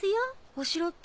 お城って？